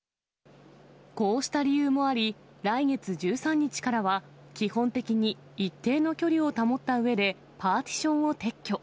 こうした理由もあり、来月１３日からは、基本的に一定の距離を保ったうえで、パーティションを撤去。